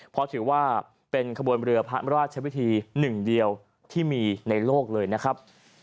เพราะถือว่าเป็นขบวนเมื่อพระอำราชชาพิธี๑เดียวที่มีในโลกเลยนะครับ